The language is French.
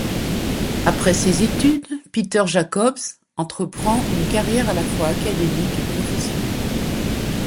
Après ses études, Peter Jacobs entreprend une carrière à la fois académique et professionnelle.